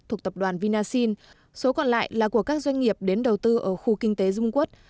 thuộc tập đoàn vinasin số còn lại là của các doanh nghiệp đến đầu tư ở khu kinh tế dung quốc